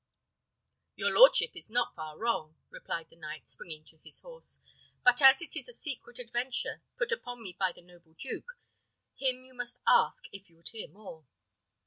"Your lordship is not far wrong," replied the knight, springing on his horse. "But as it is a secret adventure put upon me by the noble duke, him you must ask if you would hear more."